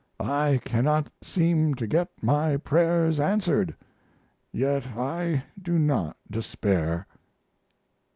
I cannot seem to get my prayers answered, yet I do not despair.